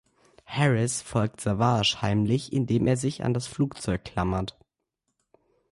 Harris folgt Savage heimlich, indem er sich an das Flugzeug klammert.